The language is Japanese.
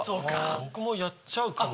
僕もやっちゃうかも。